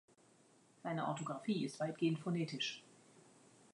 Seine Orthographie ist weitgehend phonetisch.